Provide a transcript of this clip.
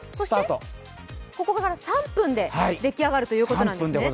ここから３分で出来上がるということなんですね。